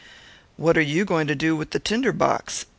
"What are you going to do with the tinder box?"